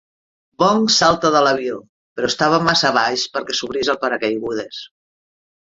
Bong saltà de l'avió, però estava massa baix perquè s'obrís el paracaigudes.